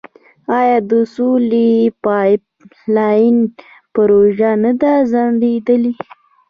آیا د سولې پایپ لاین پروژه نه ده ځنډیدلې؟